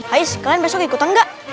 hais kalian besok ikutan gak